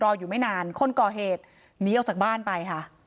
อยู่ไม่นานคนก่อเหตุหนีออกจากบ้านไปค่ะ